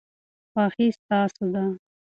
خوښي ستاسو ده.